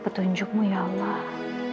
petunjukmu ya allah